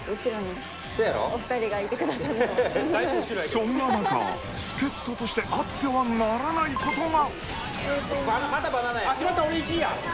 ［そんな中助っ人としてあってはならないことが］